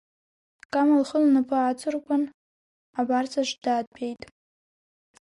Кама лхы лнапы аҵыргәан абарҵаҿ даатәеит.